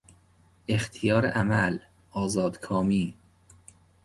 اختیار عمل، آزادکامی